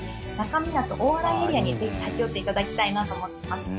那珂湊大洗エリアにぜひ立ち寄っていただきたいなと思っています。